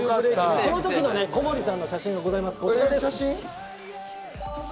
その時の小森さんの写真があります。